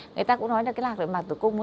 người ta cũng nói là cái lạc để bằng tử cung